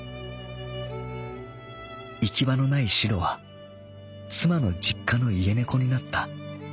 行き場のないしろは妻の実家の家猫になった。